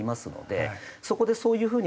そこでそういう風に。